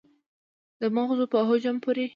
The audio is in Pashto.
د مغزو په حجم پورې